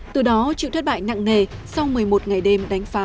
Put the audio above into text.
từ đó chịu thất bại nặng nề sau một mươi một ngày đêm đánh phá